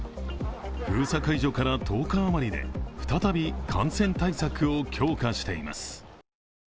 封鎖解除から１０日余りで再び感染対策を強化しています。